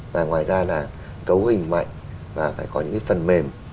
và ngoài ra là cấu hình mạnh và phải có những cái phần mềm